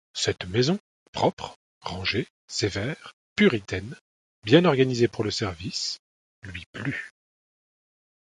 Cette maison propre, rangée, sévère, puritaine, bien organisée pour le service, lui plut.